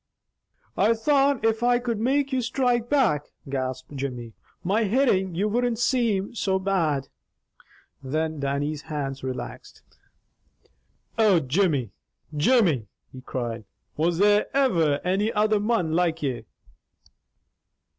"I thought if I could make you strike back," gasped Jimmy, "my hittin' you wouldn't same so bad." Then Dannie's hands relaxed. "Oh, Jimmy! Jimmy!" he cried. "Was there ever any other mon like ye?"